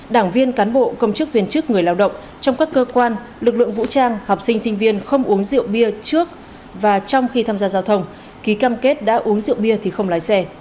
đảng viên cán bộ công chức viên chức người lao động trong các cơ quan lực lượng vũ trang học sinh sinh viên không uống rượu bia trước và trong khi tham gia giao thông ký cam kết đã uống rượu bia thì không lái xe